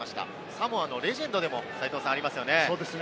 サモアのレジェンドでもありますよね。